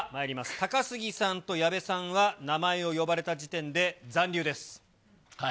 高杉さんと矢部さんは、名前を呼ばれた時点で残留です。